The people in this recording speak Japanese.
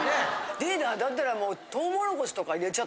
リーダーだったらもう。